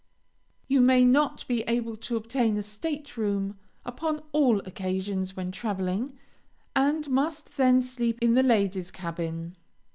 You may not be able to obtain a stateroom upon all occasions when traveling, and must then sleep in the ladies' cabin.